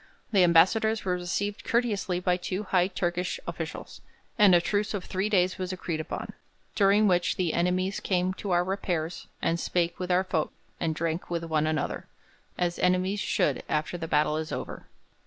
The ambassadors were received courteously by two high Turkish officials, and a truce of three days was agreed upon, during which 'the enemies came to our repairs and spake with our folk, and drank with one another,' as enemies should after the battle is over.